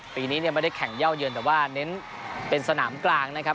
ปีนี้เนี่ยไม่ได้แข่งเย่าเยินแต่ว่าเน้นเป็นสนามกลางนะครับ